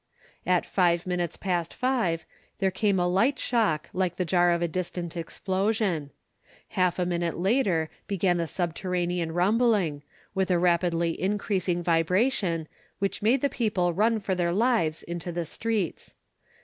At five minutes past five, there came a light shock like the jar of a distant explosion. Half a minute later began the subterranean rumbling, with a rapidly increasing vibration, which made the people run for their lives into the streets.